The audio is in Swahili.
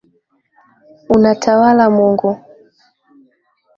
Unatawala Mungu.